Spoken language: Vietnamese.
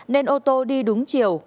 nên ô tô đi đúng chiều